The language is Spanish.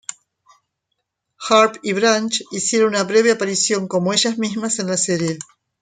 Harp y Branch hicieron una breve aparición como ellas mismas en la serie.